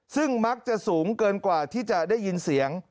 ซึ่งมักจะสูงเกินกว่าที่จะได้ยินเสียง